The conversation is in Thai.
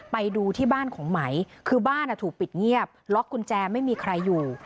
ไปดูที่บ้านของไหมคือบ้านถูกปิดเงียบล็อกกุญแจไม่มีใครอยู่